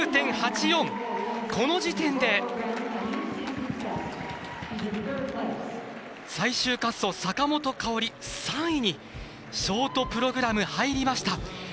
この時点で、最終滑走、坂本花織３位にショートプログラム入りました。